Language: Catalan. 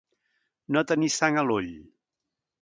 No tenir sang a l'ull.